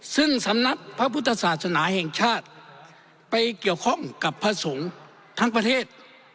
ซึ่งสำนักพระพุทธศาสนาแห่งชาติไปเกี่ยวข้องกับพระสงฆ์ทั้งประเทศ